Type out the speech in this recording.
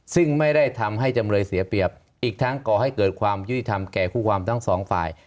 ซึ่งไม่ได้ทำให้จำเลยเสียเปรียบอีกทั้งก่อให้เกิดความยุติธรรมแก่คู่ความทั้งสองฝ่าย